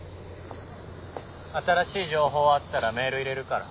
新しい情報あったらメール入れるから。